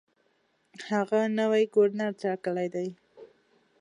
هغه نوی ګورنر ټاکلی دی.